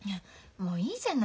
もういいじゃない。